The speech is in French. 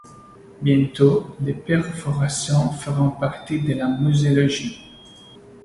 Bientôt, les perforations feront partie de la muséologie.